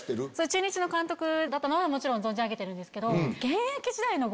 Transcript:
中日の監督だったのはもちろん存じあげてるんですけど。